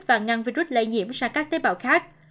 và ngăn virus lây nhiễm sang các tế bào khác